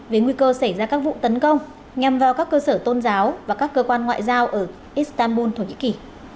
với nguy cơ xảy ra các vụ tấn công nhằm vào các cơ sở tôn giáo và các cơ quan ngoại giao ở istanbul thổ nhĩ kỳ